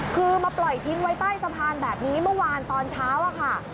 คือมาปล่อยทิ้งไว้ใต้สะพานแบบนี้เมื่อวานตอนเช้าอะค่ะ